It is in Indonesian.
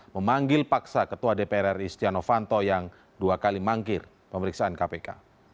memanggil paksa ketua dpr ri stiano fanto yang dua kali mangkir pemeriksaan kpk